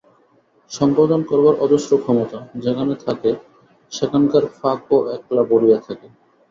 সঙ্গদান করবার অজস্র ক্ষমতা, যেখানে থাকে সেখানকার ফাঁক ও একলা ভরিয়ে রাখে।